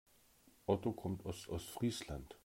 Otto kommt aus Ostfriesland.